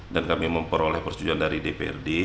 dan kami memperoleh persetujuan dari dprd